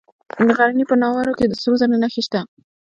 د غزني په ناوور کې د سرو زرو نښې شته.